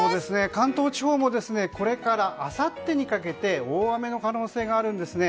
関東地方もこれからあさってにかけて大雨の可能性があるんですね。